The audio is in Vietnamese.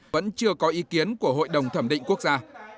vẫn chưa có ý kiến của hội đồng thẩm định quốc gia